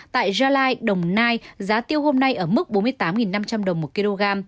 tại gia lai đồng nai giá tiêu hôm nay ở mức bốn mươi tám năm trăm linh đồng một kg